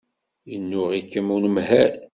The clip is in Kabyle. Yennuɣ-ikem unemhal.